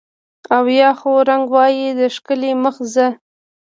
او یا خو رنګ وای د ښکلي مخ زه